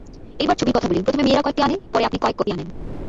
এইবার ছবির কথা বলি প্রথমে মেয়েরা কয়েকটি আনে, পরে আপনি কয়েক কপি আনেন।